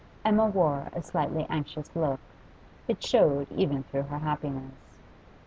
Emma wore a slightly anxious look; it showed even through her happiness.